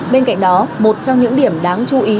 bên cạnh đó một trong những điểm đáng chú ý